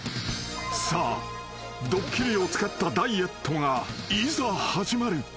［さあドッキリを使ったダイエットがいざ始まる］